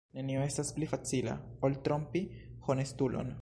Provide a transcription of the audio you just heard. Nenio estas pli facila, ol trompi honestulon.